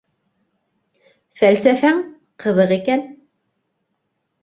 Фәлсәфәң... ҡыҙыҡ икән...